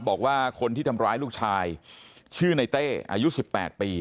บอกว่าคนที่ทำร้ายลูกชายชื่อในเต้อายุ๑๘ปี